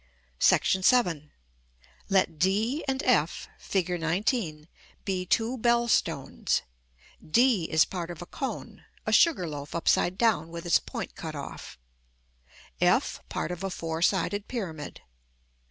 § VII. Let d and f, Fig. XIX., be two bell stones; d is part of a cone (a sugar loaf upside down, with its point cut off); f part of a four sided pyramid.